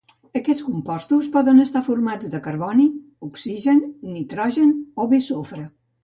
Aquests compostos poden estar formats de carboni, oxigen, nitrogen o bé sofre